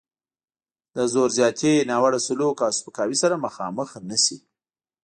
له زور زیاتي، ناوړه سلوک او سپکاوي سره مخامخ نه شي.